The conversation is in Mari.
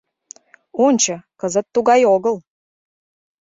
Ончо, кызыт тугай огыл.